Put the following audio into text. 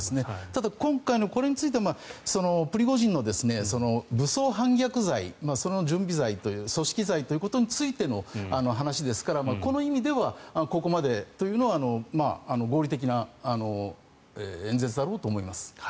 ただ今回のこれについてはプリゴジンの武装反逆罪その準備罪という組織罪ということについての話ですからこの意味ではここまでというのは合理的な演説だろうと思います。